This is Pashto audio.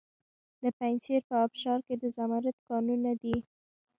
د پنجشیر په ابشار کې د زمرد کانونه دي.